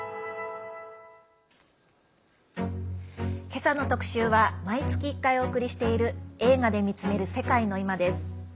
けさの特集は毎月１回お送りしている「映画で見つめる世界のいま」です。